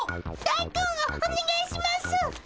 大根をおねがいしますっ！